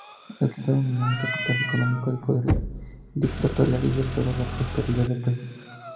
Utilizando su enorme capital económico y poderes dictatoriales, restaura la prosperidad del país.